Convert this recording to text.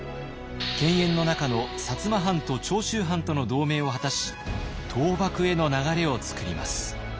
犬猿の仲の摩藩と長州藩との同盟を果たし倒幕への流れをつくります。